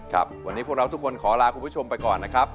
ครับวันนี้พวกเราทุกคนขอลาคุณผู้ชมไปก่อนนะครับ